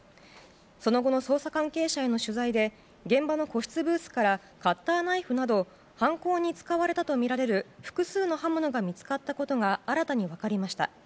その後の捜査関係者への取材で現場の個室ブースからカッターナイフなど犯行に使われたとみられる複数の刃物が見つかったことが新たに分かりました。